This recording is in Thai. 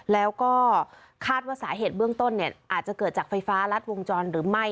แล้วก็คาดว่าสาเหตุเบื้องต้นอาจจะเกิดจากไฟฟ้ารัดวงจรหรือไม่